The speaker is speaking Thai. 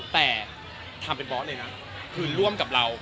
แต่ทำเป็นบอสเลยนะคือร่วมกับเรา